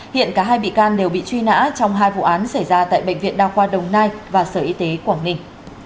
hiện cả hai bị can đều bị truy nã trong hai vụ án xảy ra tại bệnh viện đa khoa đồng nai và sở y tế quảng ninh